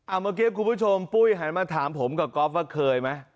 เมื่อกี้คุณผู้ชมปุ้ยหันมาถามผมกับก๊อฟว่าเคยไหม